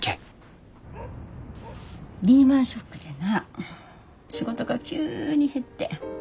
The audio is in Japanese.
リーマンショックでな仕事が急に減って。